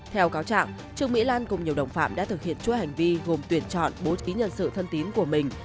theo cáo trạng trương mỹ lan cùng nhiều đồng phạm đã thực hiện chuỗi hành vi gồm tuyển chọn bố trí nhân sự thân tín của mình